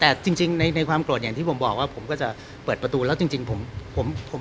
แต่จริงในความโกรธอย่างที่ผมบอกว่าผมก็จะเปิดประตูแล้วจริงผมผม